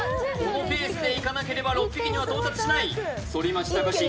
このペースでいかなければ６匹には到達しない反町隆史